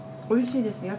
おいしいです。